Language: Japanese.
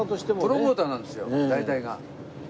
プロモーターなんですよ大体が。